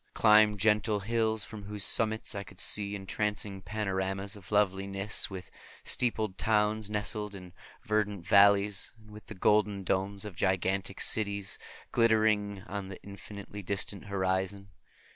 I climbed gentle hills from whose summits I could see entrancing panoramas of loveliness, with steepled towns nestling in verdant valleys, and with the golden domes of gigantic cities glittering on the infinitely distant horizon.